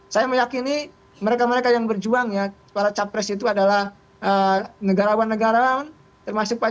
saya meyakini mereka mereka yang berjuangnya para capres itu adalah negarawan negara termasuk pak